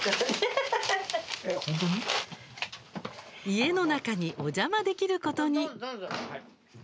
家の中にお邪魔できることに。